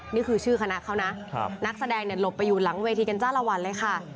นี่คือชื่อคณะเขานะนักแสดงเนี่ยหลบไปอยู่หลังเวทีกันจ้าละวันเลยค่ะ